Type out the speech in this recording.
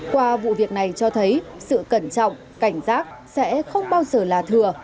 qua vụ việc này cho thấy sự cẩn trọng cảnh giác sẽ không bao giờ là thừa